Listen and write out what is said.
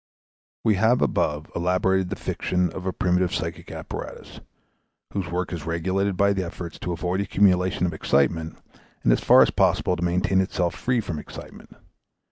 We have above elaborated the fiction of a primitive psychic apparatus, whose work is regulated by the efforts to avoid accumulation of excitement and as far as possible to maintain itself free from excitement.